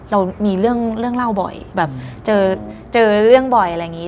เรามีเรื่องเล่าบ่อยแบบเจอเรื่องบ่อยอะไรอย่างนี้